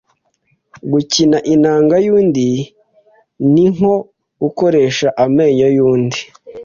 Gukina inanga yundi ni nko gukoresha amenyo yundi.